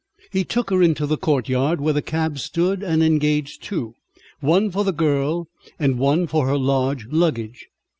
He took her into the court yard, where the cabs stood, and engaged two, one for the girl, and one for her large luggage.